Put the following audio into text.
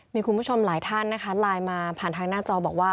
มีคุณผู้ชมหลายท่านนะคะไลน์มาผ่านทางหน้าจอบอกว่า